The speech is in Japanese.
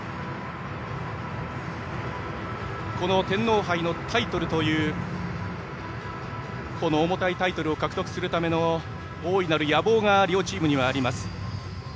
この天皇杯という重たいタイトルを獲得するための大いなる野望が両チームにはあります。